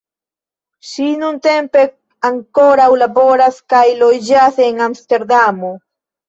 Ŝi nuntempe ankoraŭ laboras kaj loĝas en Amsterdamo.